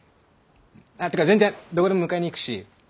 てか全然どこでも迎えに行くし。